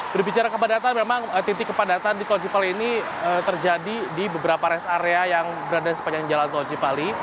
berbicara kepadatan memang titik kepadatan di tol cipali ini terjadi di beberapa rest area yang berada di sepanjang jalan tol cipali